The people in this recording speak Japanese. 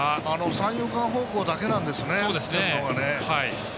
三遊間方向だけなんです打ってるのがね。